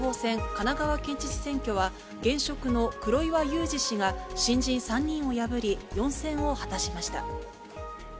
神奈川県知事選挙は、現職の黒岩祐治氏が、新人３人を破り４選を果たしました。